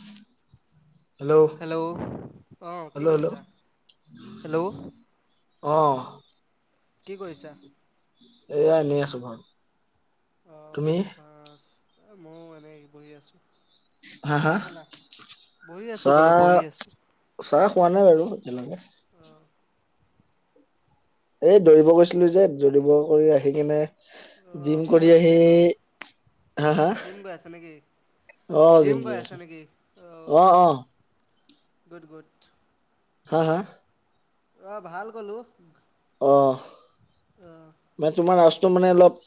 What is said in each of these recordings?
উম। Hello অঁ কি hello hello কৰিছা? হেল্ল' অহ ', কি কৰিছা? এয়া এনেই আছো ঘৰত। অ তুমি ', পাচ এই মইয়ো এনেই বহি আছো। হা হা চাহ খালা, বহি আছোঁ কলো চাহ বহি আছোঁ। চাহ খোৱা নাই বাৰু তেনেকে। অহ ', এই দৌৰিব গৈছিলো যে দৌৰিব কৰি আহি কিনে- অঁ জিম ময়ো কৰি একেই আহি- হা হা জিম গৈ আছে নেকি, অ জিম গৈ কৰি আছে আছো নেকি? অঁ। অ অ গুড - গুড। হাঁ হাঁ। অঁ ', ভাল কলো। অহ ', মানে তোমাৰ - টো মানে অলপ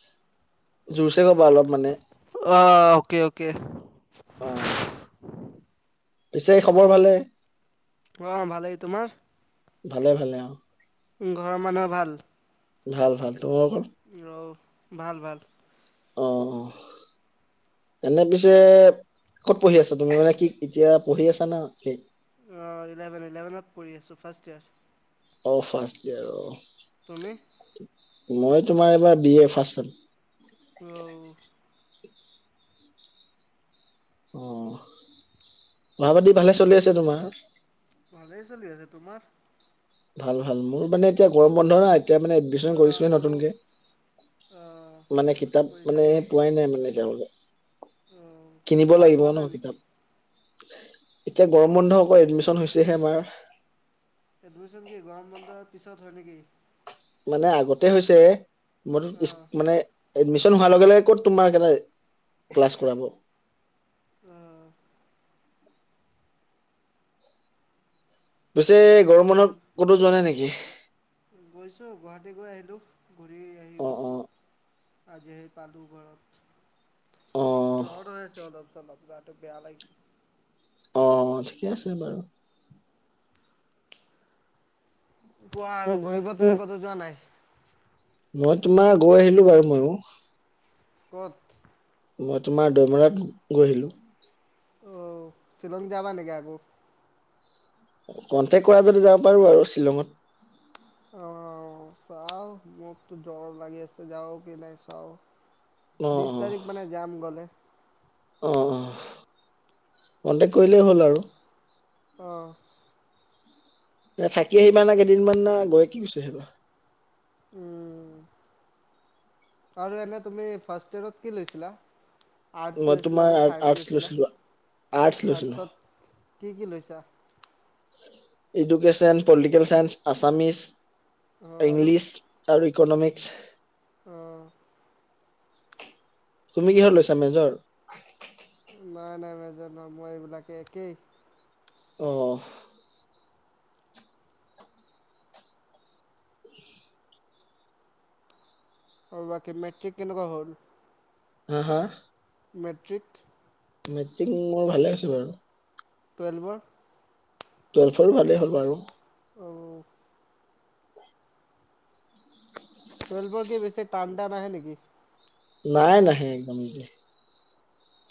জোৰছে ক'বা অলপ মানে। অহ ', অঁকে অঁকে। অহ ', পিছে খবৰ ভালে? অ' ভালেই তোমাৰ? ভালে ভালে অ'। ঘৰৰ মানুহৰ ভাল? ভাল ভাল, তোমালোকৰ? অ, ভাল ভাল। অ, অ। এনে পিছে ক'ত পঢ়ি আছা তুমি মানে কি এতিয়া পঢ়ি আছা না কি? অ', ইলেভেন ইলেভনত পঢ়ি আছো, ফাৰষ্ট ইয়েৰ। অহ ', ফাৰ্ষ্ট ইয়েৰ অ'। তুমি? মই তোমাৰ এবাৰ বি এ ফাৰ্ষ্ট ছেম। অ'। অ', পঢ়া পাতি ভালে চলি আছে তোমাৰ। ভালে চলি আছে, তোমাৰ? ভাল ভাল, মোৰ মানে এতিয়া গৰম বন্ধ না এতিয়া মানে এডমিশন অঁ কৰিছোহে মোৰো নতুনকে। মানে এডমিশ্যন কিতাপ কৰিছা মানে ন পোৱাই নাই মানে তেওঁলোকে, অ' মানে কিনিব ক্লাছ লাগিব হোৱা নাই ন নেকি? কিতাপ। এতিয়া গৰম বন্ধ হ'ব এডমিশ্যন হৈছেহে আমাৰ। এডমিশ্যন কি গৰম বন্ধৰ পিছত হয় নেকি? মানে আগতে হৈছে, মোৰ অ' মানে এডমিশন হোৱাৰ লগে লগে ক'ত তোমাৰ ক্লাছ কৰাব। অ', পিছে বাকী গৰম বন্ধত ক'তো যোৱা নাই নেকি? গৈছো গুৱাহাটী গৈ আহিলোঁ। ঘূৰি অ' আহিলোঁ অ'। আজি আহি পালোঁ ঘৰত। ‌ অঁ। জ্বৰ হৈ আছে অলপ চলপ গাটো বেয়া লাগিছে। অ' ঠিকে আছে বাৰু। কোৱা আৰু ঘূৰিব টোৰিবটো যোৱা নাই। মই তোমাৰ গৈ আহিলো বাৰু ময়ো। ক'ত? মই তোমাৰ দৈমৰাত গৈ আহিলোঁ। অ', শ্ৱিলং যাবা নেকি আকৌ? কন্টেক্ট কৰা যদি যাব পাৰো আৰু শ্বিলঙত। অ' চাও মোৰ তো জ্বৰ লাগি আছে যাও কি নাই চাওঁ। অ', বিশ অ', তাৰিখ মানে যাম গ'লে। অ' অ' কণ্টেক্ট কৰিলেই হ'ল আৰু। অ' এ থাকি আহিবা নে কেইদিনমান না গৈ কি গুছি আহিবা। উম, আৰু এনে তুমি ফাৰ্ষ্ট ইয়েৰত কি লৈছিলা? আৰ্টছ মই লৈছিলা তোমাৰ নে ছাইন্স আৰ্টছ লৈছিলা? লৈছিলো আৰ্টছ লৈছিলো। আৰ্টছত কি কি লৈছা? ইডুকেশ্যন, পলিটিকেল চাইন্স, আছামিছ, অ' আৰু ইংলিছ। আৰু ইকনমিক্স। অ' তুমি কিহত লৈছা মেজৰ। নাই নাই মেজৰ লোৱা মই এইবিলাকে একেই। অ', অ' বাকী মেট্ৰিক কেনেকুৱা হ'ল? হা হা! মেট্ৰিক, মেট্ৰিক মোৰ ভালে আছে বাৰু টুৱেলভৰ, টুৱেলভৰ ভালেই হ'ল বাৰু অ টুৱেলভৰ কি বেছি টান টান আহে নেকি। নাই নাহে একদম,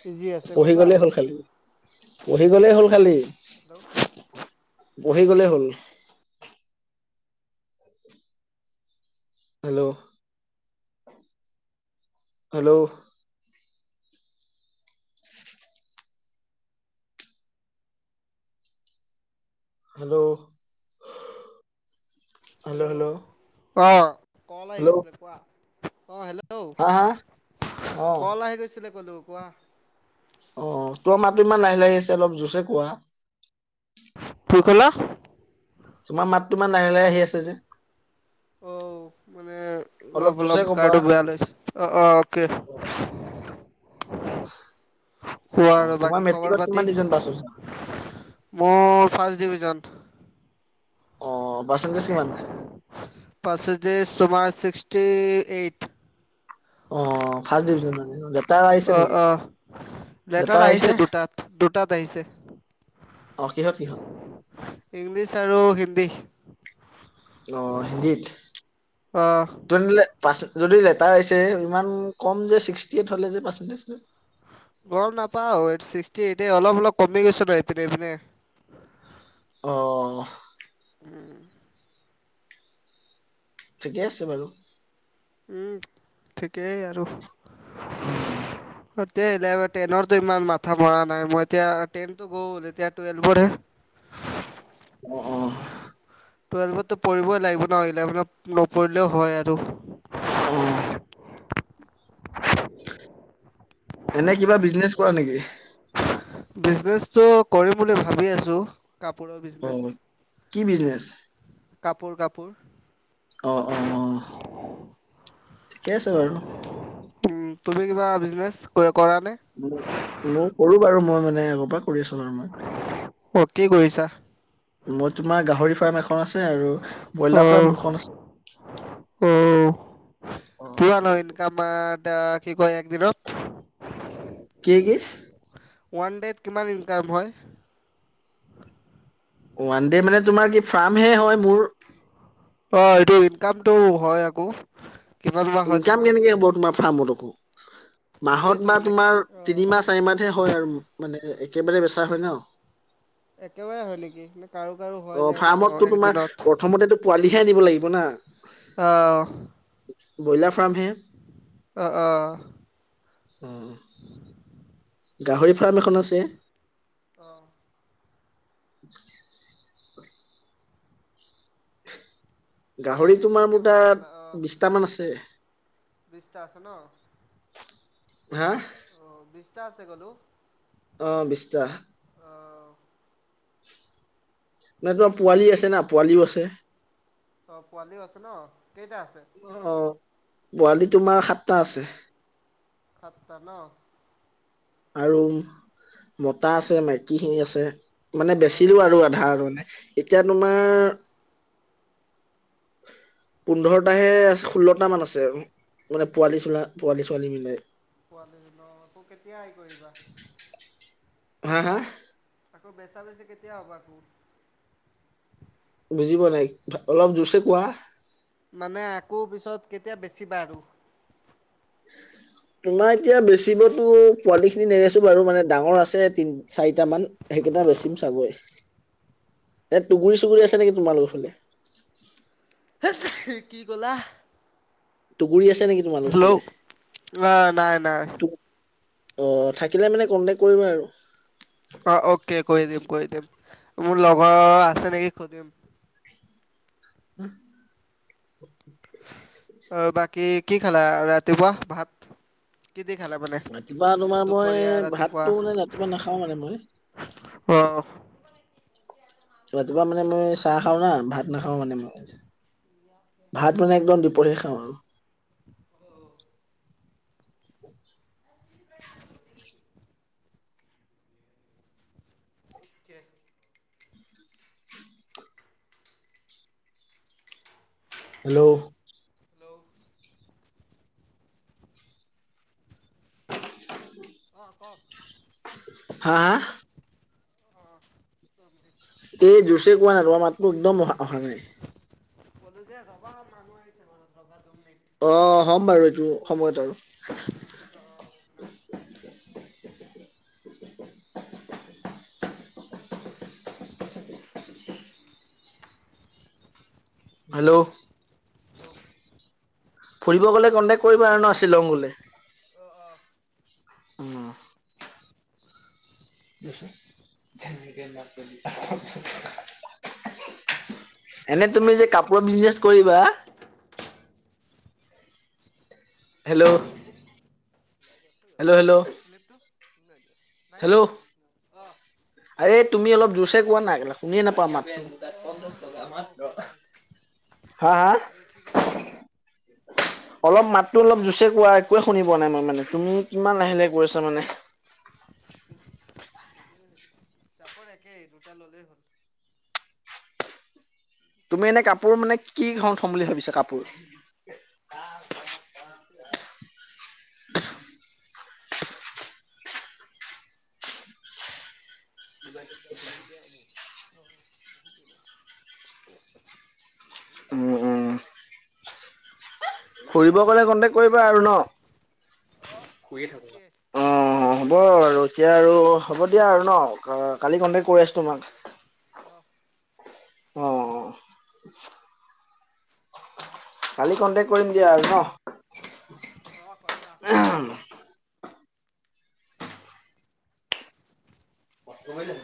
ইজি আছে পঢ়ি সঁচা? গলেই হল খালি পঢ়ি গলেই হল খালি। হেল্ল', পঢ়ি গলেই হ'ল। হেল্ল' হেল্ল', হেল্ল', হেল্ল' অ কল আহি হেল্ল' গৈছিলে কোৱা অ হেল্ল', হেল্ল' হা হা অ কল আহি গৈছিলে ক'লো কোৱা। অ অ তোমাৰ মাতো ইমান লাহে লাহি আছে অলপ জোছে কোৱা। কি কলা। তোমাৰ মাত তো ইমান লাহে লাহে আহি আছে যে। অ মানে অলপ জোৰছে অলপ ক'বা কাৰ্ডো বেয়া লৈছ অ অ অকে, অ কোৱা অ আৰু তোমাৰ বাকী খবৰ মেট্ৰিকত কিমান পাতি ডিভিজন পাছ হৈছা মোৰ ফাৰ্ষ্ট ডিভিজন। অ পাচেন্তেশ কিমান। পাচেন্তেছ তুমাৰ ছিক্সটি এইট। অ ফাৰ্ষ্ট ডিভিজন মানে। লেটাৰ আহিছে অ নেকি অ লেটাৰ আহিছে দুটাত দুটাত আহিছে। অ কিহত কিহঁত। ইংলিছ আৰু হিন্দী। অ হিন্দীত অঁ তেনে হলে, যদি লেটাৰ আহছে ইমান কম যে ছিক্সটি এইট হলে যে পাচেন্তেটিজ তো, গম নাপাও এই ছিক্সটি এইট অলপ অলপ কমি গৈছেপিনে এইপিনে, অ উম, ঠিকে আছে বাৰু উম ঠিকেই আৰু উম, তে টেনতো ইমান মাথা মৰা নাই মই এতিয়া টেনতো গল এতিয়া টুৱেলভৰতহে, অ অ টুৱেলভততো পঢ়িবই লাগিব ন ইলেভেনত নপঢ়িলেও হয় আৰু অ এনে কিবা বিজনেচ কৰা নেকি। বিজনেচটো কৰিম বুলি ভাবি আছো। কাপোৰৰ বিজনেছ। অ কি বিজনেচ? কাপোৰ কাপোৰ। অ অ ঠিকে আছে বাৰু তুমি কিবা বিজনেছ কৰা নে? ময়ো কৰো বাৰু মই মানে ক'বাত, কৰিছোঁ বাৰু অ' কি কৰিছা মই। মই তোমাৰ গাহৰি ফাৰ্ম আছে আৰু ব্ৰইলাৰ ফাৰ্ম অ' দুখন আছে অ, কামা কি কয় একদিনত। কি কি। ওৱান ডে'ত কিমান ইনকাম হয়। ওৱান দে মানে, তোমাৰ কি ফাৰ্ম হে হয় মোৰ। অ, এইটো ইনকামটো হয় আকৌ। কিমান বা হয় ইনকাম তোমাৰ কেনেকে হ'ব তোমাৰ ফাৰ্মত আকৌ। মাহত বুজিছোঁ বা মানে তোমাৰ অ' তিনিম চাৰি মাহহে হয় আৰু মানে একেবাৰে বেচা হয় ন। একেবাৰে হয় নেকি কাৰো-কাৰো অ হৈ যায় ন ফাৰ্মতটো তোমাৰ একদিনত। প্ৰথমতেতো পোৱালিহে আনিব লাগিব না। অ', ব্ৰইলাৰ ফাৰ্ম হে। অ', অ', উম, গাহৰি ফাৰ্ম এখন আছে। অহ ', এনে গাহৰি আজি কি তোমাৰ দি মোৰ ভাত খালা তাত বিশটামান আছে। বিশটা আছে ন? হা? অ, বিশটা আছে গলো। অ, বিশটা। অহ', নাই তোমাৰ পোৱালি আছে না, পোৱালিও আছে। অ, পোৱালিও আছে ন কেইটা আছে? অ, পোৱালি তোমাৰ সাতটা আছে। সাতটা ন। আৰু মতা আছে, মাইকীখিনি আছে। মানে অঁ বেচিলো আৰু আধা আৰু মানে এতিয়া তোমাৰ অঁ পোন্ধৰটাহে ষোল্লটা মান আছে, আৰু মানে পোৱালি চোলল পোৱালি ছোৱালী মিলাই পোৱালিচ ন, তোক কেতিয়া আহিব এইবাৰ? হা-হা? আকৌ বেচা বেছি, কেতিয়া হ'ব আকৌ? বুজি পোৱা নাই অলপ জোৰচে কোৱা? মানে আকৌ পিছত কেতিয়া বেচিবা আৰু? তোমাৰ এতিয়া বেচিবতো পোৱালিখিনি নেবেছো বাৰু, মানে ডাঙৰ আছে তি চাৰিট মান সেইকেইটা বেচিম চাগৈ এ টুগুৰি চুগুৰি অ' আছে নেকি তোমাৰলোকৰ ফালে? হেঁচি কি ক'লা? তুগুৰি আছে নেকি? তোমালোকৰ ফালে? ক্লক অ, নাই-নাই। থাকিলে মেনে কণ্টেক্ট কৰিম আৰু। অ, অকে কৰি দিম-কৰি দিম মোৰ লগৰ আছে নেকি সুধিম। [unintelligible] অ, বাকী কি খালা ৰাতিপুৱা ভাত? কিদি খালা মানে? ৰাতিপুৱা তোমাৰ মই দুপৰীয়া ভাতটো মানে ৰাতিপুৱা নাখাও মানে মই। অ', ৰাতিপুৱা মানে মই চাহ খাও না, ভাত নাখাও মানে মই। ভাত মানে একদম দুপৰীয়া খাও আৰু। [unintelligible] হেল্ল', হেল্ল' অঁ কওক হা-হা? অ', এই জোৰচেই কোৱা না, তোমাৰ মাততো একদমেই অহ-অহা নাই? কলো যে ৰবা মানুহ আহিছে ঘৰত ৰবা দুই মিনিট। টু হ'ম মিনিট বাৰু এইটো ৰুকো সময়ত আৰু। [inaudible] হেল্ল' ফুৰিব গ'লে কণ্টেক কৰিবা আৰু ন শ্বিলং গ'লে উম [unintelligible] এনে তুমি যে কাপোৰৰ বিজনেছ কৰিবা হেল্ল' হেল্ল' হেল্ল' শ্লিপটো নাই নাই যেন হেল্ল' লাগিছিলে আৰে তুমি অলপ জোৰছে কোৱা না কেলা শুনিয়ে নাপাও অ ৰুক ৰুক মাতটো পাঁচ মিনিট হা হা এইটো কি ক'লে অলপ মাতটো অ অলপ জুৰচে কোৱা একোৱে শুনি পোৱা নাই মই মানে তুমি কিমান লাহে লাহে কৰিছা মানে চবৰ একেই দুটা ললেই হল তুমি এনে কাপোৰ মানে কি ধৰন থ'ম বুলি ভাবিছা কাপোৰ [unintelligible] বহুত বেয়া হব অ উম উম ফুৰিব গ'লে কণ্টেক্ট কৰিবা আৰু ন অ শুইয়ে থাকো মই। অকে অ হ'ব ৰ'দ দিয়া আৰু হ'ব দিয়া আৰু ন কা কালি কন্টেক্ট কৰি আছো তোমাক অ অ কালি কন্টেক্ট কৰিম দিয়া আৰু ন অ কৰিবা গম পাইছা নাই